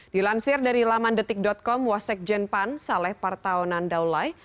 dilansir dari lamandetik com wasek jen pan saleh partaonan daulay